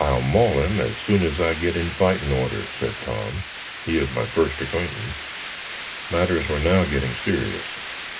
"I'll maul him as soon as I get in fightin' order," said Tom he of my first acquaintance. Matters were now getting serious.